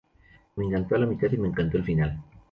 Me encantó en la mitad y me encantó el final.